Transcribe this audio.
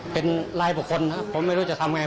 เป็นรายปกคลครับผมไม่รู้จะทำอะไร